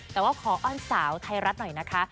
แต่ว่าขออ้อนสาวไทยรัฐหน่อยนะคะ